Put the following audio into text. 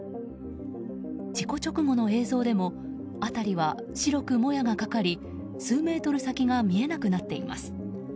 事故直後の映像でも辺りは白くもやがかかり数メートル先が見えなくなっています。